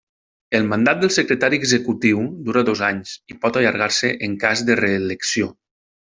El mandat del Secretari Executiu dura dos anys, i pot allargar-se en cas de reelecció.